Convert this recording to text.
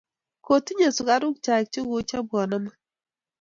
Kokinyei sukaruk chaik che koichopwa amut